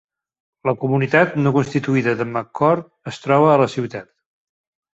La comunitat no constituïda de McCord es troba a la ciutat.